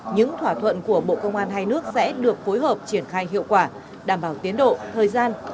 những thỏa thuận của bộ công an hai nước sẽ được phối hợp triển khai hiệu quả đảm bảo tiến độ thời gian